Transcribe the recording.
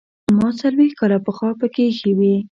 ما څلوېښت کاله پخوا پکې ایښې وې.